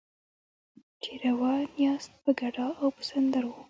چې روان یاست په ګډا او په سندرو.